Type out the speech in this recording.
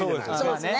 そうですね。